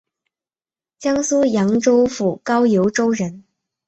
江苏扬州府高邮州人。